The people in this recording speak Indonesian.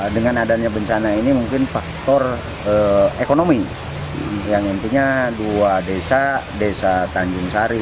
dengan adanya bencana ini mungkin faktor ekonomi yang intinya dua desa desa tanjung sari